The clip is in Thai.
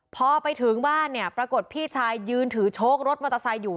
พอไปถึงบ้านเนี่ยปรากฏพี่ชายยืนถือโชครถมอเตอร์ไซค์อยู่